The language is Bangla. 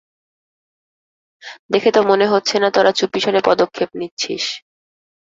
দেখে তো মনে হচ্ছে না তোরা চুপিসারে পদক্ষেপ নিচ্ছিস।